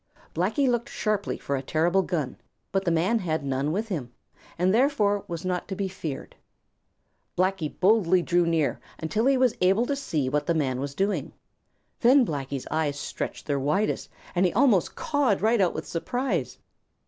Blacky looked sharply for a terrible gun. But the man had none with him and therefore was not to be feared. Blacky boldly drew near until he was able to see what the man was doing. Then Blacky's eyes stretched their widest and he almost cawed right out with surprise.